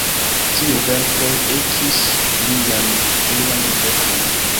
Tiuj verkoj ekis lian "bluan epokon".